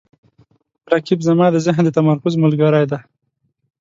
رقیب زما د ذهن د تمرکز ملګری دی